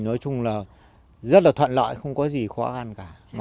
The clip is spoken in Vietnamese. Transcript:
nói chung là rất là thuận lợi không có gì khó khăn cả